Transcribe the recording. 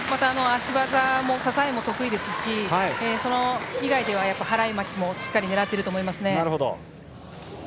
足技も支えも得意ですしそれ以外では払い巻きも狙っていると思いますね。